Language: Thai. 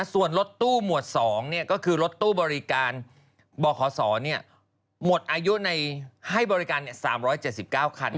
ส่วนรถตู้หมวด๒ก็คือรถตู้บริการบขศหมดอายุให้บริการ๓๗๙คัน